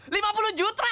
lima puluh jutra